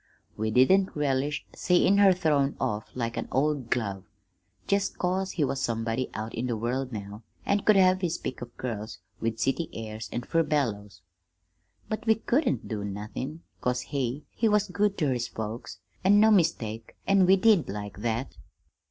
We didn't relish seein' her thrown off like an old glove, jest 'cause he was somebody out in the world now, an' could have his pick of girls with city airs and furbelows. But we couldn't do nothin', 'cause he he was good ter his folks, an' no mistake, an' we did like that.